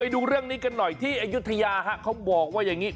ดูเรื่องนี้กันหน่อยที่อายุทยาฮะเขาบอกว่าอย่างนี้